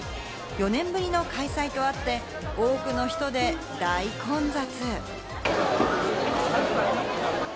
４年ぶりの開催とあって、多くの人で大混雑。